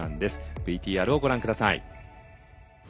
ＶＴＲをご覧下さい。